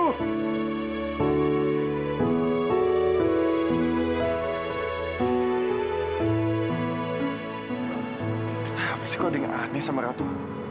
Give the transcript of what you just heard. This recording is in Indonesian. kenapa sih kok ada yang aneh sama ratu